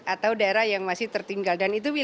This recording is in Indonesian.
atau daerah yang masih tertinggal